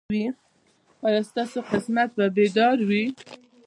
ایا ستاسو قسمت به بیدار وي؟